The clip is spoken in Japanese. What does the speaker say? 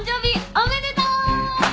おめでとう！